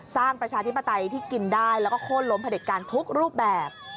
ประชาธิปไตยที่กินได้แล้วก็โค้นล้มผลิตการทุกรูปแบบ